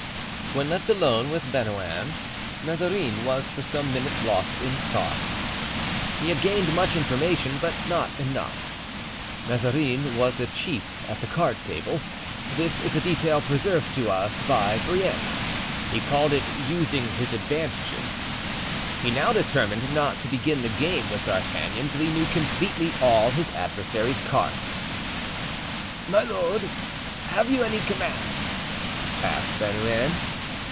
When left alone with Bernouin, Mazarin was for some minutes lost in thought. He had gained much information, but not enough. Mazarin was a cheat at the card table. This is a detail preserved to us by Brienne. He called it using his advantages. He now determined not to begin the game with D'Artagnan till he knew completely all his adversary's cards. "My lord, have you any commands?" asked Bernouin.